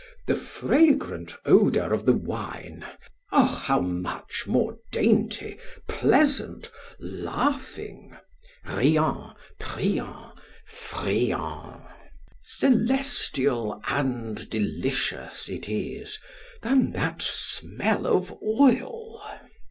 The fragrant odour of the wine, O how much more dainty, pleasant, laughing (Riant, priant, friant.), celestial and delicious it is, than that smell of oil!